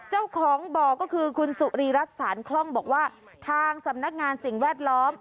เจ้าของบ่อก็คือคุณสุรีรัฐสารคล่องบอกว่าทางสำนักงานสิ่งแวดล้อม